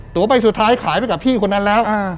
ตัวใบสุดท้ายขายไปกับพี่คนนั้นแล้ว